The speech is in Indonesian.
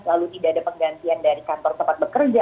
lalu tidak ada penggantian dari kantor tempat bekerja